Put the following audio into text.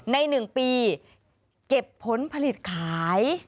ใน๑ปีเก็บผลผลิตขาย